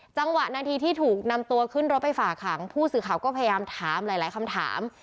จังหวะนาทีที่ถูกนำตัวขึ้นรถไปฝากขังผู้สื่อข่าวก็พยายามถามหลายคำถาม